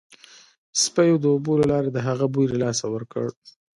سپیو د اوبو له لارې د هغه بوی له لاسه ورکړ